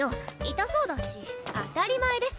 痛そうだし当たり前です